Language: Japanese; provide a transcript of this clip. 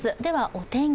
お天気